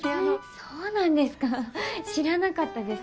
そうなんですか知らなかったです。